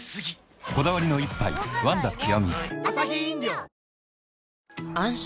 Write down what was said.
こだわりの一杯「ワンダ極」